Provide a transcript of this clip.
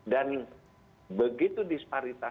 dan begitu disparita